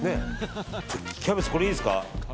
キャベツ、これいいですか。